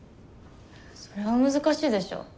それは難しいでしょ。